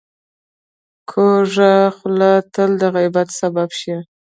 کوږه خوله تل د غیبت سبب شي